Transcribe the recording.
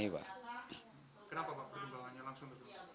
kenapa pak pertimbangannya langsung ke sungai